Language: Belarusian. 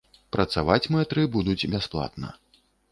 Працаваць мэтры будуць бясплатна.